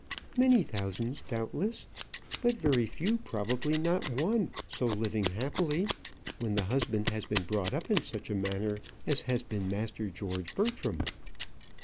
"Many thousands, doubtless. But very few, probably not one, so living happily, when the husband has been brought up in such a manner as has been Master George Bertram."